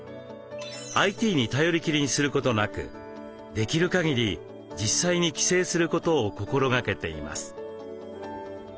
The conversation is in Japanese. ＩＴに頼りきりにすることなくできるかぎり実際に帰省することを心がけています。